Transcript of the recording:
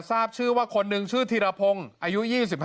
ทราบชื่อว่าคนหนึ่งชื่อธีรพงศ์อายุ๒๕